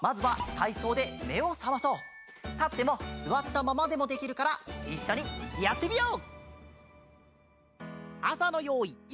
たってもすわったままでもできるからいっしょにやってみよう！